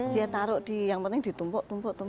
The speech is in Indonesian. dia taruh di yang penting ditumpuk tumpuk